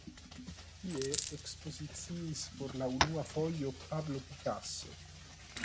Tie ekspoziciis por la unua fojo Pablo Picasso.